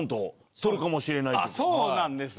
そうなんですよ。